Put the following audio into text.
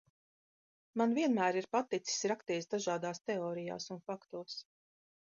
Man vienmēr ir paticis rakties dažādās teorijās un faktos.